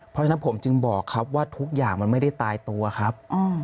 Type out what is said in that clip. เพราะฉะนั้นผมจึงบอกครับว่าทุกอย่างมันไม่ได้ตายตัวครับ